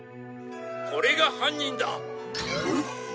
「これが犯人だ」